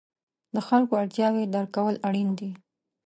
د خلکو اړتیاوې درک کول اړین دي.